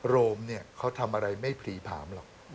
โรมเนี่ยเขาทำอะไรไม่ผลีผามหรอก